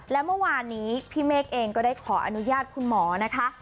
และเมื่อวานนี้พี่เมฆเองก็ได้ขออนุญาตคุณหมอนะคะ